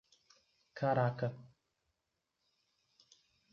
Caraca!